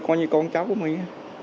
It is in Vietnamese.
có như con cháu của mình